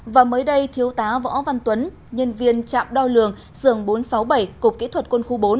và mới đây thiếu tá võ văn tuấn nhân viên trạm đo lường sường bốn trăm sáu mươi bảy cục kỹ thuật quân khu bốn